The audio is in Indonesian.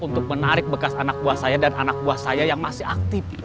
untuk menarik bekas anak buah saya dan anak buah saya yang masih aktif